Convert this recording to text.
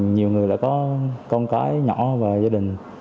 nhiều người đã có con cái nhỏ và gia đình